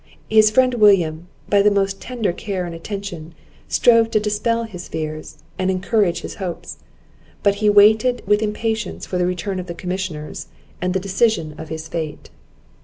His friend William, by the most tender care and attention, strove to dispel his fears, and encourage his hopes; but he waited with impatience for the return of the commissioners, and the decision of his fate.